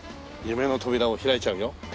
夢の扉を開いちゃうよ？